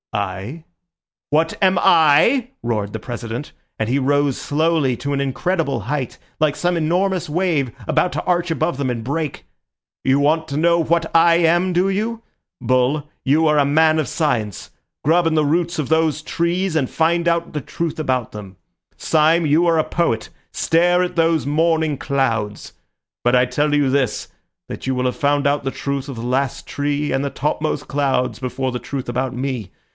"I? What am I?" roared the President, and he rose slowly to an incredible height, like some enormous wave about to arch above them and break. "You want to know what I am, do you? Bull, you are a man of science. Grub in the roots of those trees and find out the truth about them. Syme, you are a poet. Stare at those morning clouds. But I tell you this, that you will have found out the truth of the last tree and the top most cloud before the truth about me.